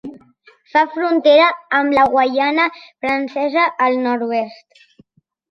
Fa frontera amb la Guaiana Francesa al Nord-oest.